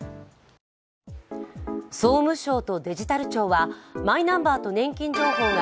総務省とデジタル庁はマイナンバーと年金情報が